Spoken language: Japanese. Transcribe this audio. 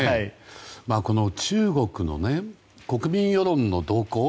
この中国の国民世論の動向